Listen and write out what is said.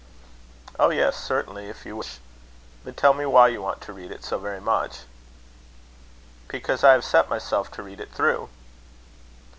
"Oh, yes, certainly, if you wish. But tell me why you want to read it so very much." "Because I have set myself to read it through."